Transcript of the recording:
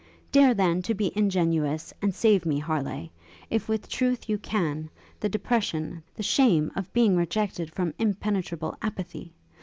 'Dare, then, to be ingenuous, and save me, Harleigh, if with truth you can, the depression, the shame, of being rejected from impenetrable apathy!